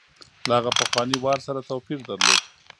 له هغه پخواني وار سره توپیر درلود.